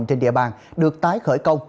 trên địa bàn được tái khởi công